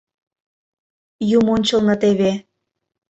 — Юмончылно теве...